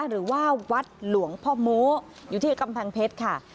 หรือว่าวัดหลวงพ่อโม้อยู่ที่กำแพงเพชรค่ะ